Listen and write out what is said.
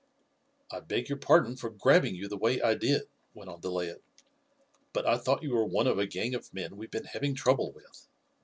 "I beg your pardon for grabbing you the way I did," went on the lad, "but I thought you were one of a gang of men we've been having trouble with."